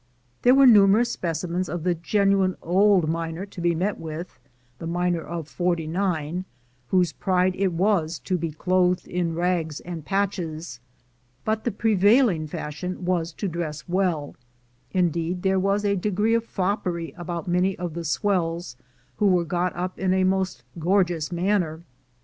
There were numerous specimens of the genuine old miner to be met with — the miner of '49, whose pride it was to be clothed in rags and patches; but the pre vailing fashion was to dress well; indeed there was a degree of foppery about many of the swells, who were got up in a most gorgeous manner.